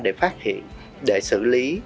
để phát hiện để xử lý